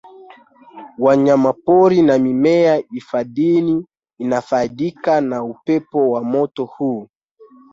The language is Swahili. Wanyamapori na mimea hifadhini inafaidika na uwepo wa mto huu